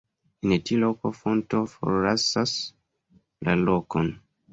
En tiu loko fonto forlasas la rokon.